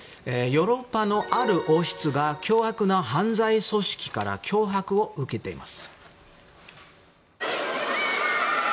ヨーロッパのある王室が凶悪な犯罪組織から脅迫を受けています。